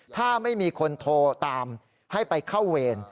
ถ้าไม่มีคนโทรตามให้ไปเข้าเวร